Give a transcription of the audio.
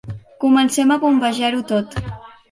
Comencem a bombejar-ho tot.